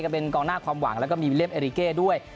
เป็นกองหน้าความหวังแล้วก็มีวิเลี่เอริเก้ด้วย